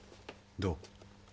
どう？